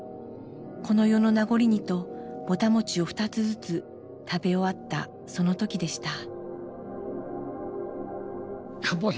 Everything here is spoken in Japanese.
この世の名残にとぼた餅を２つずつ食べ終わったその時でした。